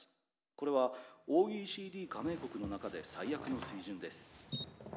これはＯＥＣＤ加盟国の中で最悪の水準です」。